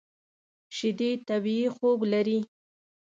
شیدې طبیعي خوږ لري.